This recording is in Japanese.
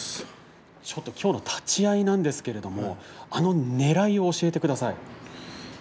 きょうの立ち合いですがあのねらいを教えてください。